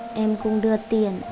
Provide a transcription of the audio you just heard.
em cũng đưa tiền